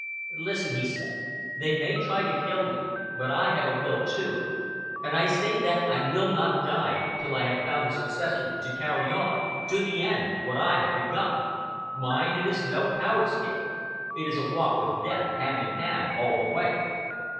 "Listen," he said, "they may try to kill me, but I have a will, too, and I say that I will not die till I have found a successor to carry on to the end what I have begun. Mind, it is no coward's game! It is a walk with death, hand in hand, all the way."